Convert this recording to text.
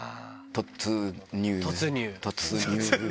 突入。